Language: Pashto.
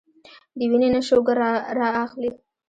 د وينې نه شوګر را اخلي